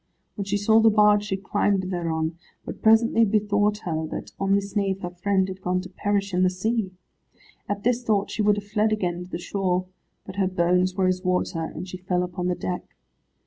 When she saw the barge she climbed thereon, but presently bethought her that on this nave her friend had gone to perish in the sea. At this thought she would have fled again to the shore, but her bones were as water, and she fell upon the deck.